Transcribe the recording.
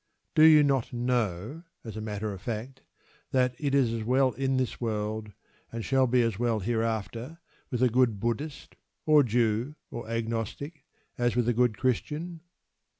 Do you not know, as a matter of fact, that it is as well in this world, and shall be as well hereafter, with a good Buddhist, or Jew, or Agnostic, as with a good Christian?